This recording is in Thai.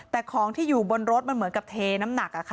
แต่ของที่อยู่บนรถมันเหมือนกับเทน้ำหนัก